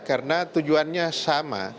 karena tujuannya sama